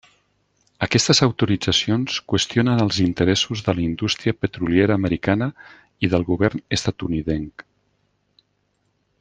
Aquestes autoritzacions qüestionen els interessos de la indústria petroliera americana i del govern estatunidenc.